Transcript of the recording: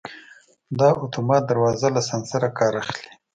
دا اتومات دروازه له سنسر کار اخلي.